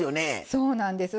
そうなんです。